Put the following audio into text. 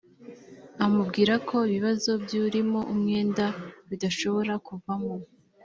amubwira ko ibibazo by urimo umwenda bidashobora kuvamo